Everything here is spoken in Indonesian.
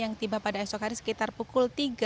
yang tiba pada esok hari sekitar pukul tiga